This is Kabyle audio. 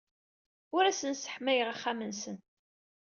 Ur asen-sseḥmayeɣ axxam-nsen.